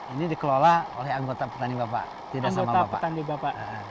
ini dikelola oleh anggota petani bapak tidak sama bapak